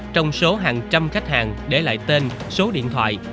trong số hàng trăm khách hàng để lại tên số điện thoại